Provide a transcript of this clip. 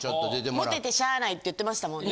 モテてしゃあないって言ってましたもんね。